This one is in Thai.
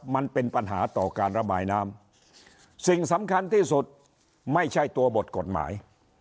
มันเป็นปัญหาต่อการระบายน้ำสิ่งสำคัญที่สุดไม่ใช่ตัวบทกฎหมาย